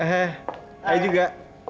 he hai juga